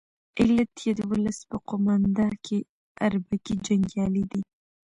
علت یې د ولس په قومانده کې اربکي جنګیالي دي.